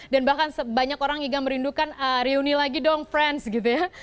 dan bahkan banyak orang juga merindukan reuni lagi dong friends gitu ya